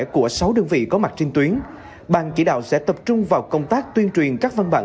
của sáu đơn vị có mặt trên tuyến bàn chỉ đạo sẽ tập trung vào công tác tuyên truyền các văn bản